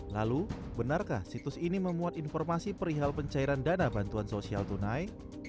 lalu benarkah situs ini memuat informasi perihal pencairan dana bantuan sosial tunai